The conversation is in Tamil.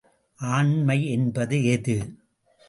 ஆண்மை என்பது எது?